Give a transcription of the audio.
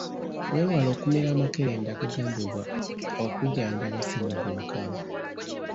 Weewale okumira amakerenda agagambibwa okujjanjaba ssennyiga omukambwe.